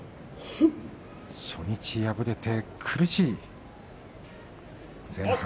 初日敗れて苦しい前半。